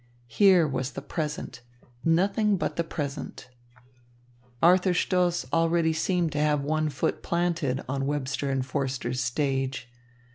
Here was the present, nothing but the present. Arthur Stoss seemed already to have one foot planted on Webster and Forster's stage.